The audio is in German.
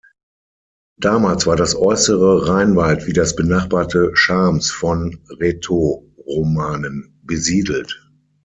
Damals war das äussere Rheinwald wie das benachbarte Schams von Rätoromanen besiedelt.